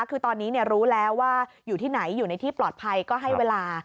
คือตอนนี้รู้แล้วว่าอยู่ที่ไหนอยู่ในที่ปลอดภัยก็ให้เวลา